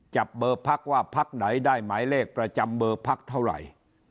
จับเบอร์พักว่าพักไหนได้หมายเลขประจำเบอร์พักเท่าไหร่